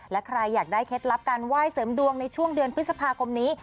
และใครอยากได้เคล็ดลับการไหว้เสริมดวงในช่วงเดือนพฤษภาคมนี้